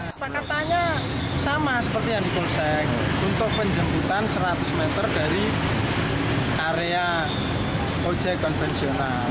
kesepakatannya sama seperti yang di polsek untuk penjemputan seratus meter dari area ojek konvensional